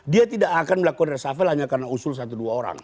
dia tidak akan melakukan resafel hanya karena usul satu dua orang